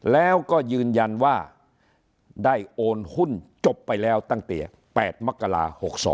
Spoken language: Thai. แล้วก็ยืนยันว่าได้โอนหุ้นจบไปแล้วตั้งแต่๘มกรา๖๒